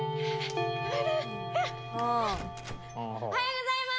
おはようございます！